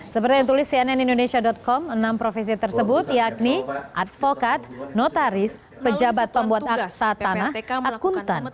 seperti yang tulis cnn indonesia com enam profesi tersebut yakni advokat notaris pejabat pembuat aksa tanah akuntan